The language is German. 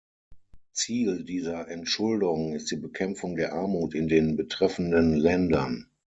Ziel dieser Entschuldung ist die Bekämpfung der Armut in den betreffenden Ländern.